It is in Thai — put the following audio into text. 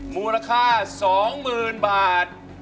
มูลค่า๒๐๐๐๐บาท